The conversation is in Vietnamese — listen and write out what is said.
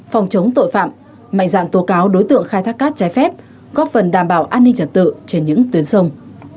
phòng chống tội phạm mạnh dạng tố cáo đối tượng khai thác cát trái phép góp phần đảm bảo an ninh trật tự trên những tuyến sông